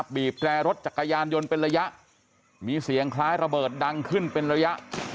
บีบแร่รถจักรยานยนต์เป็นระยะมีเสียงคล้ายระเบิดดังขึ้นเป็นระยะ